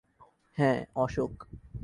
হ্যাঁ, অশোক।